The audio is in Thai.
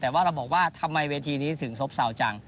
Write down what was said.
แต่ว่าเราบอกว่าทำไมเวทีนี้ถึงซบเศร้าจัง